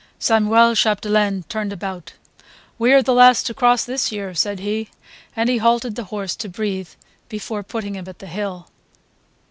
Samuel Chapdelaine turned about. "We are the last to cross this year," said he. And he halted the horse to breathe before putting him at the hill.